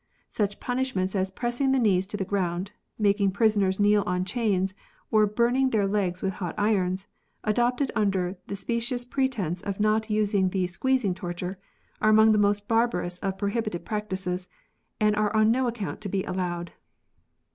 Such punishments as pressing the knees to the ground, making prisoners kneel on chains, or burn ing their legs with hot irons, adopted under the specious pretence of not using the ' squeezing ' torture, are among the most barbarous of prohibited practices, and are on no account to be allowed."